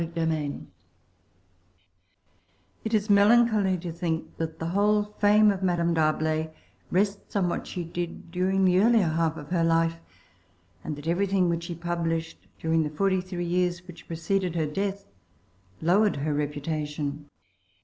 [Pg 387] It is melancholy to think that the whole fame of Madame D'Arblay rests on what she did during the earlier half of her life, and that everything which she published during the forty three years which preceded her death lowered her reputation.